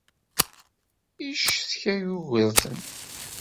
Yeccetka Yugurten.